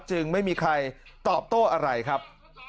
จึงไม่มีใครตอบโต้อะไรครับ